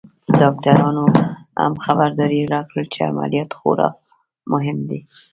ډاکترانو هم خبرداری راکړ چې عمليات خورا مهم دی.